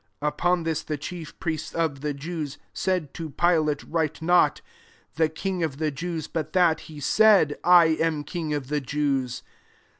£1 Upon this, the chief priests of the Jews said to Pi late, " Write not, ' The king of the Jews ; but that he said I am king of the Jews.'